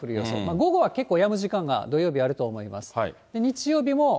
午後は結構、やむ時間が、土曜日、あると思います。